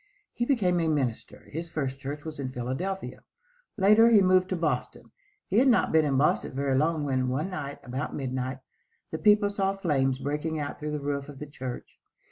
He became a minister. His first church was in Philadelphia. Later he moved to Boston. He had not been in Boston very long when, one night, about midnight, the people saw flames breaking out through the roof of the church.